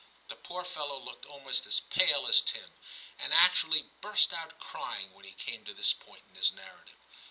The poor fellow looked almost as pale as Tim, and actually burst out crying when he came to this point in his narrative.